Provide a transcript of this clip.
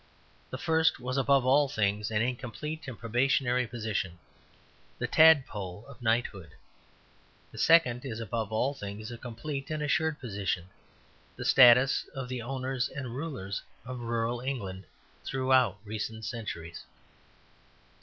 The first was above all things an incomplete and probationary position the tadpole of knighthood; the second is above all things a complete and assured position the status of the owners and rulers of rural England throughout recent centuries.